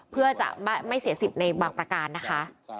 เพื่อจะไม่เสียสิทธิ์ในบางประการนะคะ